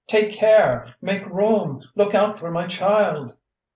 'Take care! Make room! Look out for my child!'"